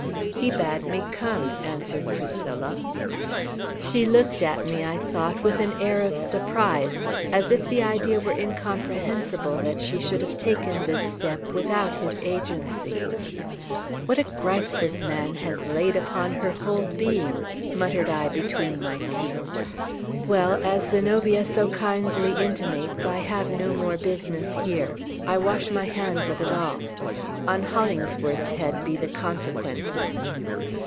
"He bade me come," answered Priscilla. She looked at me, I thought, with an air of surprise, as if the idea were incomprehensible that she should have taken this step without his agency. "What a gripe this man has laid upon her whole being!" muttered I between my teeth. "Well, as Zenobia so kindly intimates, I have no more business here. I wash my hands of it all. On Hollingsworth's head be the consequences!